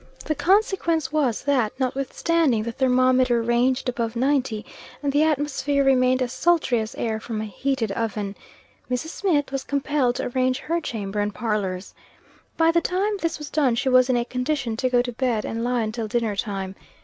The consequence was, that, notwithstanding the thermometer ranged above ninety, and the atmosphere remained as sultry as air from a heated oven, Mrs. Smith was compelled to arrange her chamber and parlors. By the time this was done she was in a condition to go to bed, and lie until dinner time.